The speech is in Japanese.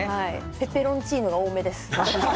ペペロンチーノが多めです。